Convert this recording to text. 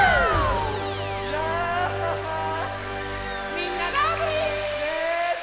みんなラブリー！